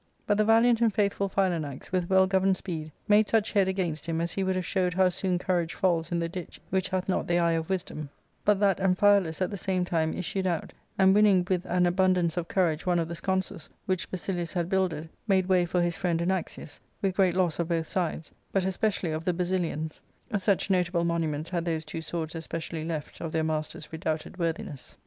But the valiant and faithful Philanax, with well governed speed, made such head against him as would have showed how soon courage falls in the ditch which hath not the eye of wisdom, but that Amphialus at the same time issued out, and winning with an abundance of courage one of the sconces* which Basilius had builded, made way for his friend Anaxius, with great loss of both sides, but especially of the Basilians ; such notable monu ments had those two swords especially left of their masters' redoubted worthiness.